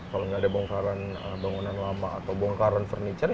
kalau nggak ada bongkaran bangunan lama atau bongkaran furniture